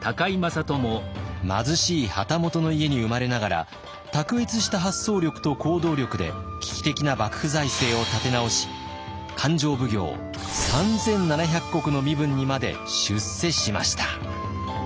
貧しい旗本の家に生まれながら卓越した発想力と行動力で危機的な幕府財政を立て直し勘定奉行３，７００石の身分にまで出世しました。